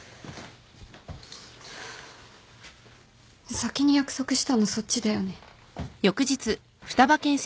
先に約束したのそっちだよね。